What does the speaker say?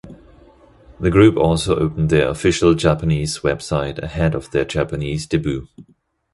The group also opened their official Japanese website ahead of their Japanese debut.